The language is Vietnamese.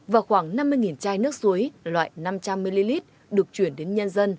và khoảng năm mươi chai nước suối loại năm trăm linh ml được chuyển đến nhân dân